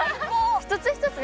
一つ一つね